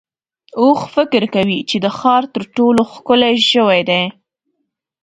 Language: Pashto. اوښ فکر کوي چې د ښار تر ټولو ښکلی ژوی دی.